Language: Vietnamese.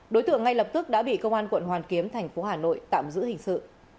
đối tượng ngay lập tức đã bị công an quận hoàn kiếm thành phố hà nội tạm giữ hình sự